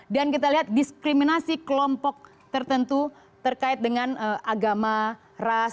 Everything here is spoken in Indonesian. dan kita lihat diskriminasi kelompok tertentu terkait dengan agama ras